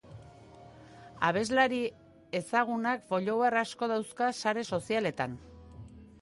Abeslari ezagunak follower asko dauzka sare sozialetan.